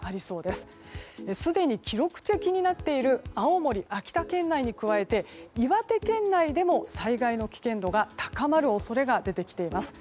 すでに記録的になっている青森・秋田県内に加えて岩手県内でも災害の危険度が高まる恐れが出てきています。